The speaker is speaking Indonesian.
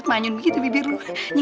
gue senang gak ada di sini semuanya